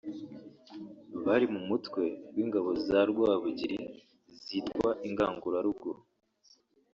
Bari mu mutwe w’ingabo za Rwabugili zitwa Ingangurarugo